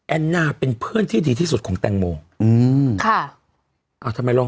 แอนน่าเป็นเพื่อนที่ดีที่สุดของแตงโม